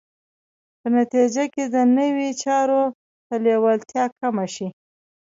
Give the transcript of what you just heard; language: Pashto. په نتیجه کې دنیوي چارو ته لېوالتیا کمه شي.